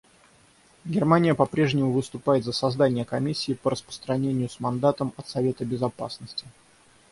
Германия по-прежнему выступает за создание комиссии по расследованию с мандатом от Совета Безопасности.